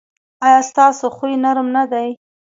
ایا ستاسو خوی نرم نه دی؟